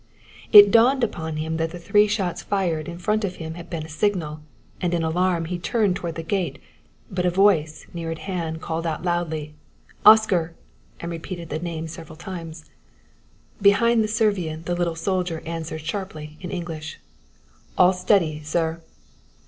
It dawned upon him that the three shots fired in front of him had been a signal, and in alarm he turned toward the gate, but a voice near at hand called loudly, "Oscar!" and repeated the name several times. Behind the Servian the little soldier answered sharply in English: "All steady, sir!"